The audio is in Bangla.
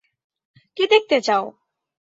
কী দেখতে চাও?